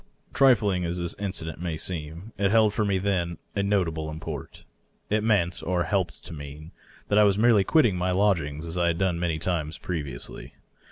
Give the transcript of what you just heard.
Trifling as this incident may seem, it held for me then a notable import. It meant, or it helped to mean, that I was merely quitting my lodgings as I had done many times previously.